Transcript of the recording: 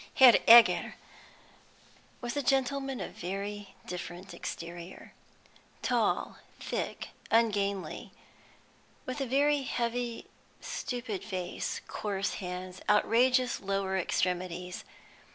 Herr Egger was a gentleman of very different exterior. Tall, thick, ungainly, with a very heavy, stupid face, coarse hands, outrageous lower extremities.